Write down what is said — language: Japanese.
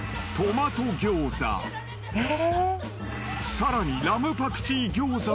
［さらに］